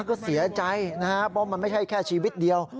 ก็เสียใจนะครับเพราะมันไม่ใช่แค่ชีวิตเดียว